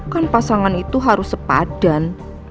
kan pasangan itu harus sepadan